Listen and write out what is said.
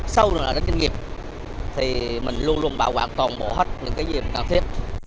sau nữa đến doanh nghiệp thì mình luôn luôn bảo quản toàn bộ hết những cái gì cần thiết